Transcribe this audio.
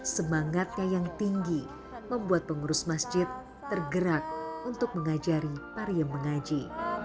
semangatnya yang tinggi membuat pengurus masjid tergerak untuk mengajari pariem mengaji